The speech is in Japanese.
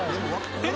えっ？